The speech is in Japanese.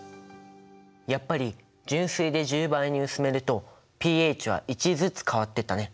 やっぱり純水で１０倍に薄めるとｐＨは１ずつ変わっていったね。